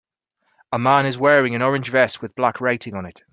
A man is wearing a orange vest with black writing on it.